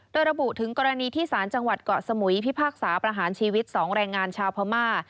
โดยระบุถึงกรณีที่สารจังหวัดเกาะสมุยพิพากษาประหารชีวิต๒แรงงานชาวพม่า